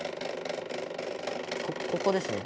ここですね